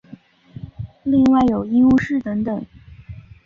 另外有医务室等等。